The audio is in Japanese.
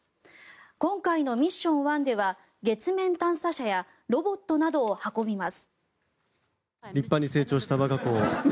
今回のミッション１では月面探査車やロボットなどを運びます。